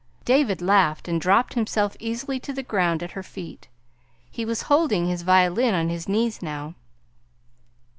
David laughed and dropped himself easily to the ground at her feet. He was holding his violin on his knees now.